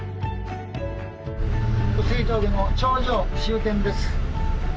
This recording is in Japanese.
「碓氷峠の頂上終点です」